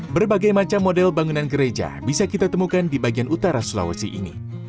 berbagai macam model bangunan gereja bisa kita temukan di bagian utara sulawesi ini